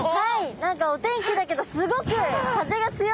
何かお天気だけどすごく風が強いですね。